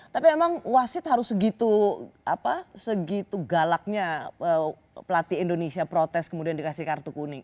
tapi emang wasit harus segitu galaknya pelatih indonesia protes kemudian dikasih kartu kuning